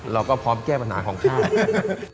เราก็พร้อมแก้ปัญหาของชาติ